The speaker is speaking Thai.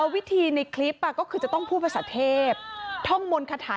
วิธีในคลิปก็คือจะต้องพูดภาษาเทพท่องมนต์คาถา